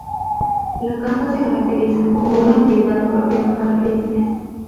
La caza se caracteriza como una actividad apropiada para príncipes.